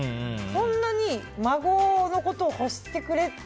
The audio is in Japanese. そんなに孫のことを欲してくれて。